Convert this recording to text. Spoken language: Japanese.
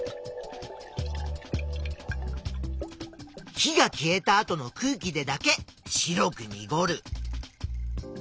火が消えた後の空気でだけ白くにごる。